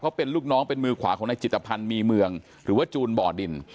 เขาเป็นลูกน้องเป็นมือขวาของนายจิตภัณฑ์มีเมืองหรือว่าจูนบ่อดิน